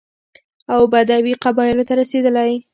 او بدوي قبايلو ته رسېدلى،